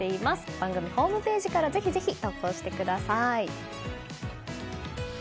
番組ホームページからぜひぜひ投稿してください。